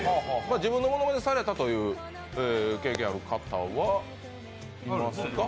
自分のものまねされたという経験ある方はいますか？